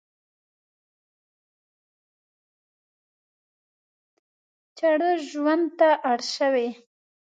چړه ژوند ته اړ شوي.